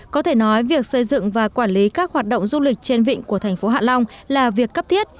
có thể nói việc xây dựng và quản lý các hoạt động du lịch trên vịnh của thành phố hạ long là việc cấp thiết